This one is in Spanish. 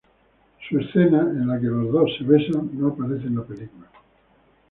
Su escena, en la que los dos se besan, no aparece en la película.